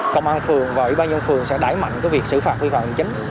công an phường và ủy ban nhân phường sẽ đáy mạnh việc xử phạt vi phạm chính